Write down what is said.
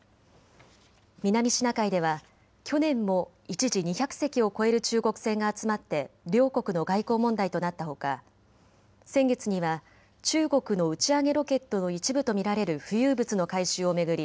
南シナ海では去年も一時２００隻を超える中国船が集まって両国の外交問題となったほか、先月には中国の打ち上げロケットの一部と見られる浮遊物の回収を巡り